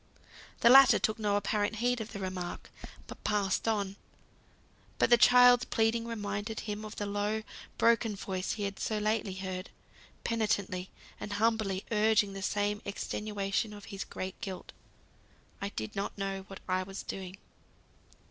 The latter took no apparent heed of the remark, but passed on. But the child's pleading reminded him of the low, broken voice he had so lately heard, penitently and humbly urging the same extenuation of his great guilt. "I did not know what I was doing."